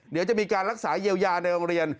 เดี๋ยวจะมีการรักษาเยียวยาในโรงเรียน